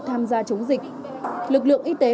tham gia chống dịch lực lượng y tế